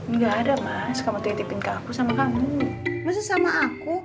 enggak ada mas kamu titipin kamu